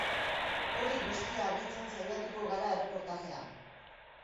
Hori guztia argitzen saiatuko gara erreportajean.